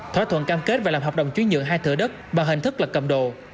thỏa thuận cam kết và làm hợp đồng chuyến nhượng hai thợ đất bằng hình thức lật cầm đồ